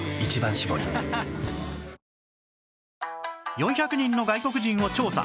４００人の外国人を調査